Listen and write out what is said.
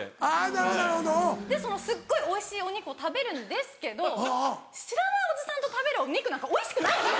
なるほどなるほど。ですっごいおいしいお肉を食べるんですけど知らないおじさんと食べるお肉なんかおいしくないんです。